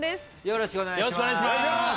よろしくお願いします。